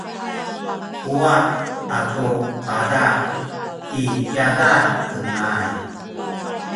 kuwa’ atu paza’ i yadah henay